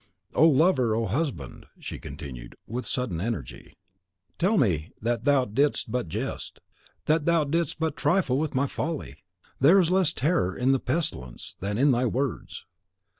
Oh, lover, oh, husband!" she continued, with sudden energy, "tell me that thou didst but jest, that thou didst but trifle with my folly! There is less terror in the pestilence than in thy words."